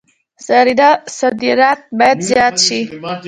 صادرات باید زیات شي